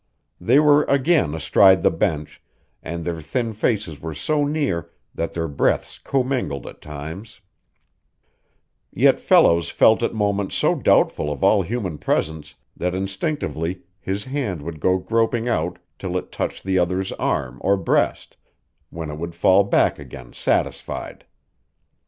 They were again astride the bench, and their thin faces were so near that their breaths commingled at times; yet Fellows felt at moments so doubtful of all human presence that instinctively his hand would go groping out till it touched the other's arm or breast, when it would fall back again satisfied.